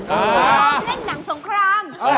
เล่นหนังสงคราม